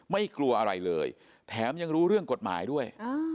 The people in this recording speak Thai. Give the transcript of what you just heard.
ไม่กลัวอะไรเลยแถมยังรู้เรื่องกฎหมายด้วย